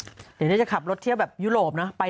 เดี๋ยวนี้จะขับรถเที่ยวแบบยุโรปนะ